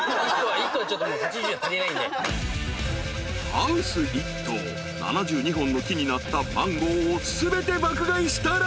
［ハウス一棟７２本の木になったマンゴーを全て爆買いしたら］